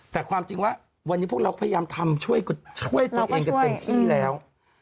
แต่ความจริงว่าวันนี้พวกเราพยายามทำช่วยตัวเองกันเต็มที่แล้ว